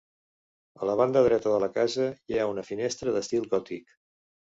A la banda dreta de la casa hi ha una finestra d'estil gòtic.